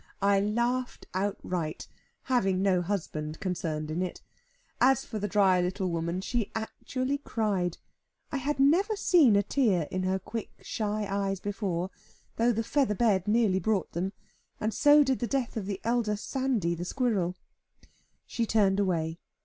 I laughed outright, having no husband concerned in it. As for the dry little woman, she actually cried. I had never seen a tear in her quick, shy eyes before, though the feather bed nearly brought them, and so did the death of the elder Sandy, the squirrel. She turned away.